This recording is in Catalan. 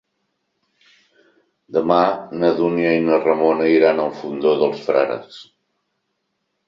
Demà na Dúnia i na Ramona iran al Fondó dels Frares.